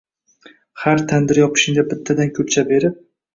— Har tandir yopishingda bittadan kulcha berib